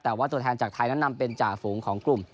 แต่ว่าตัวแทนจากไทยนั้นนำเป็นจ่าฝูงของกลุ่ม